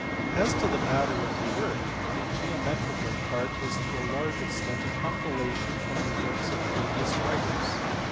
As to the matter of the work. The geometrical part is to a large extent a compilation from the works of previous writers.